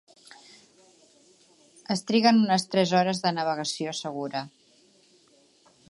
Es triguen unes tres hores de navegació segura.